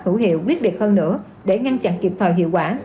hữu hiệu quyết định hơn nữa để ngăn chặn kịp thời hiệu quả